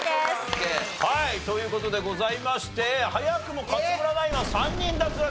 はいという事でございまして早くも勝村ナインは３人脱落。